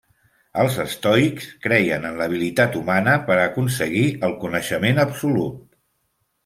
Els estoics creien en l’habilitat humana per a aconseguir el coneixement absolut.